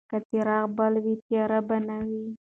که څراغ بل وای، تیاره به نه وه.